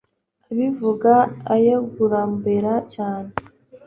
abivuga ayagorugambaera cyane